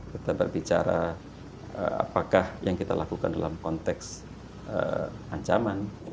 kita berbicara apakah yang kita lakukan dalam konteks ancaman